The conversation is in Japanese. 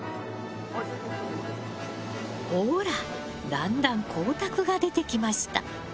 ほら、だんだん光沢が出てきました。